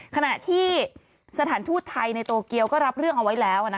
ขณะที่สถานทูตไทยในโตเกียวก็รับเรื่องเอาไว้แล้ว